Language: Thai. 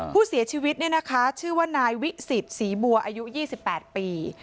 ผู้เสียชีวิตเนี่ยนะคะชื่อว่านายวิสิตศรีบัวอายุ๒๘ปี